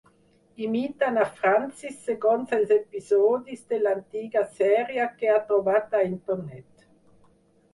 Imiti na Francis segons els episodis de l'antiga sèrie que ha trobat a internet.